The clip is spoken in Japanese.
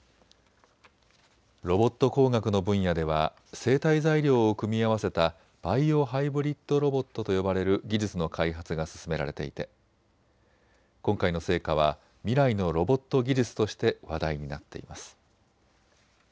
ロボット工学の分野では生体材料を組み合わせたバイオハイブリッドロボットと呼ばれる技術の開発が進められていて今回の成果は未来のロボット技術として話題になっています。